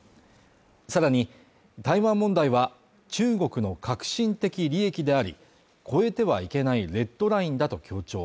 さらに、台湾問題は中国の核心的利益であり、越えてはいけないレッドラインだと強調。